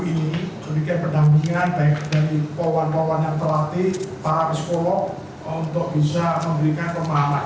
lalu ini kita akan memberikan pendampingan baik dari kawan kawan yang terlatih para psikolog untuk bisa memberikan pemahaman